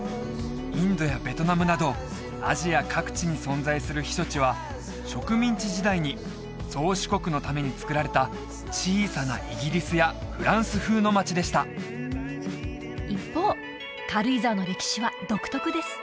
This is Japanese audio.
インドやベトナムなどアジア各地に存在する避暑地は植民地時代に宗主国のためにつくられた小さなイギリスやフランス風の町でした一方軽井沢の歴史は独特です